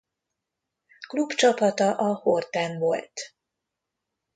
Klubcsapata a Horten volt.